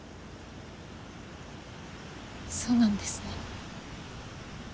そうなんですね。